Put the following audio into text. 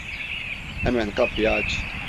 Hemen kapıyı aç!